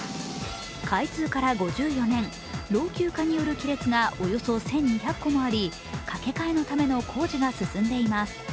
開通から５４年、老朽化による亀裂がおよそ１２００個もあり架け替えのための工事が進んでいます。